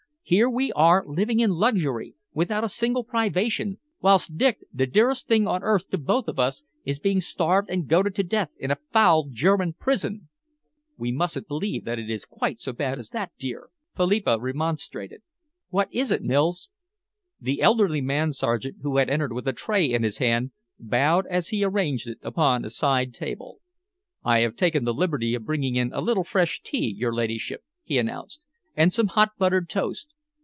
Here we are living in luxury, without a single privation, whilst Dick, the dearest thing on earth to both of us, is being starved and goaded to death in a foul German prison!" "We mustn't believe that it's quite so bad as that, dear," Philippa remonstrated. "What is it, Mills?" The elderly man servant who had entered with a tray in his band, bowed as he arranged it upon a side table. "I have taken the liberty of bringing in a little fresh tea, your ladyship," he announced, "and some hot buttered toast.